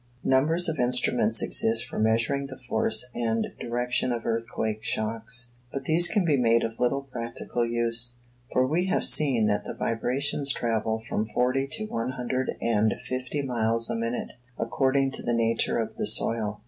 Numbers of instruments exist for measuring the force and direction of earthquake shocks, but these can be made of little practical use; for we have seen that the vibrations travel from forty to one hundred and fifty miles a minute, according to the nature of the soil.